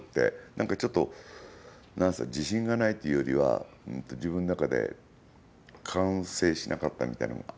なんかちょっと自信がないというよりは自分の中で完成しなかったみたいな。